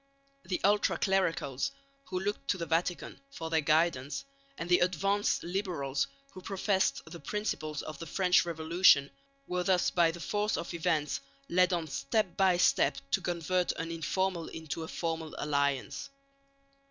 The ultra clericals, who looked to the Vatican for their guidance, and the advanced liberals who professed the principles of the French Revolution were thus by the force of events led on step by step to convert an informal into a formal alliance.